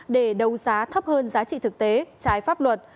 để đấu giá thấp hơn giá trị thực tế trái pháp luật